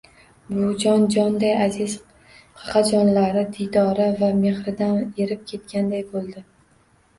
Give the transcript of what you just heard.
Buvijon jonday aziz qaqajonlari diydori va mehridan erib ketganday bo`ldi